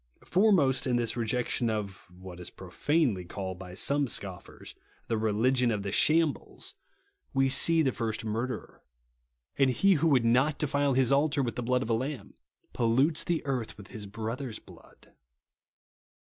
Foremost in this rejection of, what is profanely called by some scoffers, "^he religion of the shambles/' we THE BLUOD OF SPRII^KLING. 31 see the first murderer ; and lie who would not defile his altar with the blood of a lamb, pollutes the earth with his brother's blood.